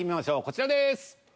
こちらです。